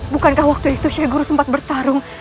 bukankah waktu itu sheikh guru sempat bertarung